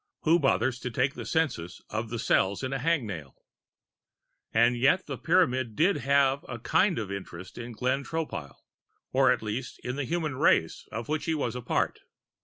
Who bothers to take a census of the cells in a hangnail? And yet the Pyramid did have a kind of interest in Glenn Tropile. Or, at least, in the human race of which he was a part.